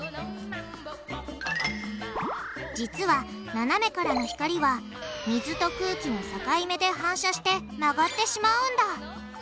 実はななめからの光は水と空気の境目で反射して曲がってしまうんだ。